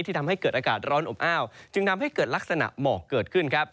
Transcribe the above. ทำให้เกิดอากาศร้อนอบอ้าวจึงทำให้เกิดลักษณะหมอกเกิดขึ้นครับ